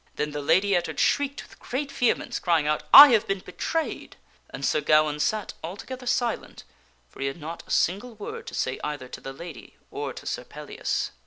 Then the Lady Ettard shrieked with great vehemence, crying out, " I have been betrayed !" and Sir Gawaine sat altogether silent, for he had not a single word to say either to the lady or to Sir Pellias.